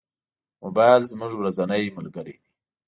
موبایل زموږ ورځنی ملګری دی.